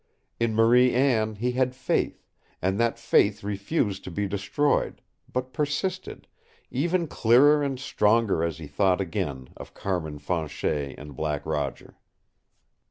In Marie Anne he had faith, and that faith refused to be destroyed, but persisted even clearer and stronger as he thought again of Carmin Fanchet and Black Roger.